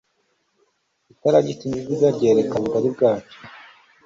itara ry'ikinyabiziga ryerekana ubugari bwacyo